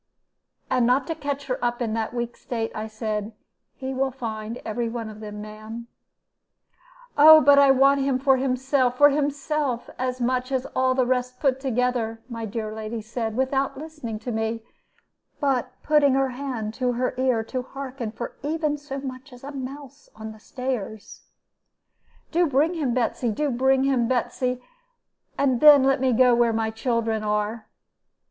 And not to catch her up in that weak state, I said, 'He will find every one of them, ma'am.' "'Oh, but I want him for himself, for himself, as much as all the rest put together,' my dear lady said, without listening to me, but putting her hand to her ear to hearken for even so much as a mouse on the stairs. 'Do bring him, Betsy; only bring him, Betsy, and then let me go where my children are.'